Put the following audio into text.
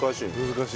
難しい。